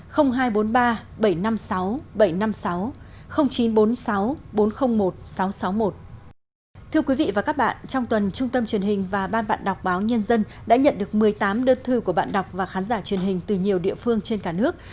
thưa quý vị và các bạn trong tuần trung tâm truyền hình và ban bạn đọc báo nhân dân đã nhận được một mươi tám đơn thư của bạn đọc và khán giả truyền hình từ nhiều địa phương trên cả nước